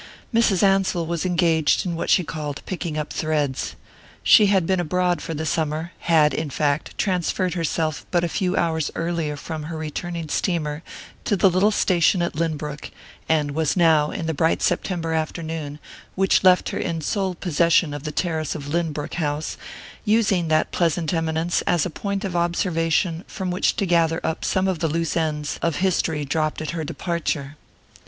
XIII MRS. ANSELL was engaged in what she called picking up threads. She had been abroad for the summer had, in, fact, transferred herself but a few hours earlier from her returning steamer to the little station at Lynbrook and was now, in the bright September afternoon, which left her in sole possession of the terrace of Lynbrook House, using that pleasant eminence as a point of observation from which to gather up some of the loose ends of history dropped at her departure.